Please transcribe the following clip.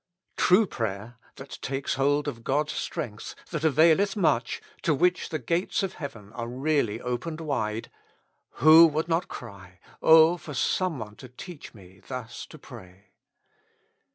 True prayer, that takes hold of God's strength, that availeth much, to which the gates of heaven are really opened wide — who would not cry, Oh for some one to teach me thus to pray?